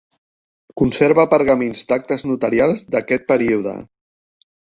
Conserva pergamins d'actes notarials d'aquest període.